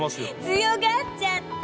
強がっちゃって！